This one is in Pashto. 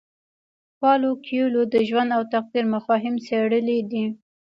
پاولو کویلیو د ژوند او تقدیر مفاهیم څیړلي دي.